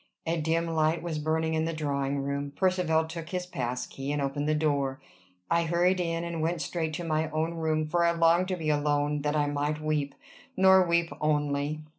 A dim light was burning in the drawing room. Percivale took his pass key, and opened the door. I hurried in, and went straight to my own room; for I longed to be alone that I might weep nor weep only.